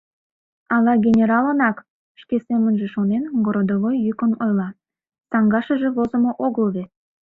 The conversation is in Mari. — Ала генералынак! — шке семынже шонен, городовой йӱкын ойла, — саҥгашыже возымо огыл вет...